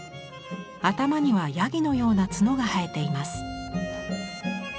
頭にはヤギのような角が生えています。